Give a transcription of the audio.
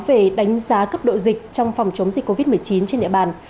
về đánh giá cấp độ dịch trong phòng chống dịch covid một mươi chín trên địa bàn